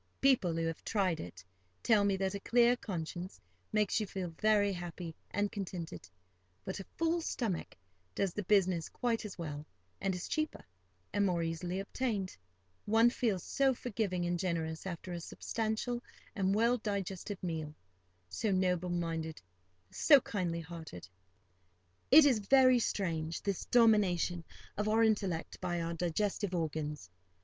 People who have tried it, tell me that a clear conscience makes you very happy and contented; but a full stomach does the business quite as well, and is cheaper, and more easily obtained. One feels so forgiving and generous after a substantial and well digested meal—so noble minded, so kindly hearted. It is very strange, this domination of our intellect by our digestive organs.